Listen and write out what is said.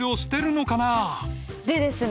でですね